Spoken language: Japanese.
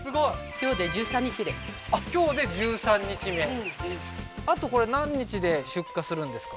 今日で１３日で今日で１３日目あとこれ何日で出荷するんですか？